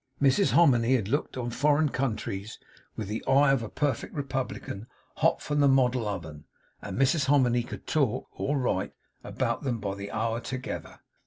Mrs Hominy had looked on foreign countries with the eye of a perfect republican hot from the model oven; and Mrs Hominy could talk (or write) about them by the hour together.